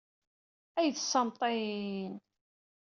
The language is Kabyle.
Ay d ssamṭin!